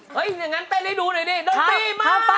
เห้ยอย่างนั้นแต่รีดูหน่อยสิโดนตี้มากมา